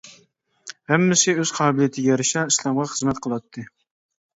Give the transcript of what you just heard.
ھەممىسى ئۆز قابىلىيىتىگە يارىشا ئىسلامغا خىزمەت قىلاتتى.